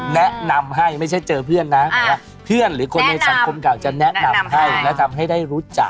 แนะนำให้ไม่ใช่เจอเพื่อนนะหมายว่าเพื่อนหรือคนในสังคมอยากจะแนะนำให้และทำให้ได้รู้จัก